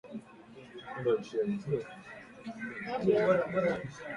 Sehemu ya mbele ya jicho la ngombe huwa na mwonekano mweupe